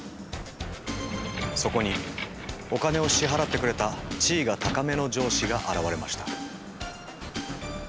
そこにお金を支払ってくれた地位が高めの上司が現れました。